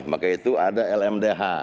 maka itu ada lmdh